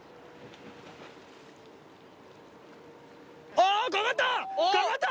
あ掛かった！